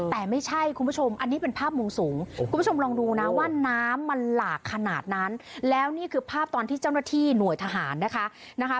แต่ไม่ใช่คุณผู้ชมอันนี้เป็นภาพมุมสูงคุณผู้ชมลองดูนะว่าน้ำมันหลากขนาดนั้นแล้วนี่คือภาพตอนที่เจ้าหน้าที่หน่วยทหารนะคะ